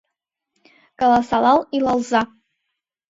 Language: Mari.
Каласалал илалза.